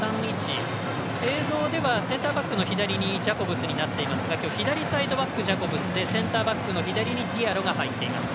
映像ではセンターバックの左にジャコブスになってますが左サイドバック、ジャコブスでセンターバックの左にディアロが入っています。